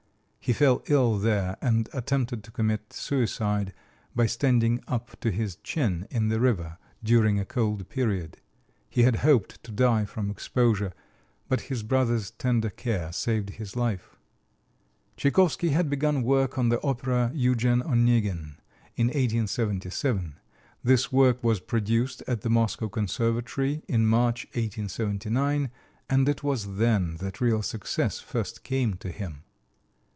He fell ill there and attempted to commit suicide by standing up to his chin in the river during a cold period. He had hoped to die from exposure, but his brother's tender care saved his life. Tchaikovsky had begun work on the opera, "Eugen Onegin," in 1877. This work was produced at the Moscow Conservatory in March, 1879, and it was then that real success first came to him.